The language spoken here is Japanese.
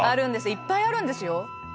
「いっぱいあるんですよ」